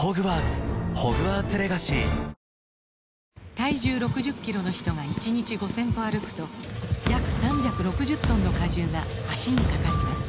体重６０キロの人が１日５０００歩歩くと約３６０トンの荷重が脚にかかります